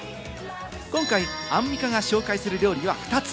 今回アンミカが紹介する料理は２つ。